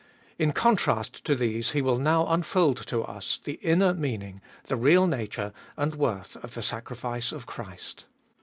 In contrast to these he will now unfold to us the inner meaning, the real nature and worth of the sacri fice of Christ.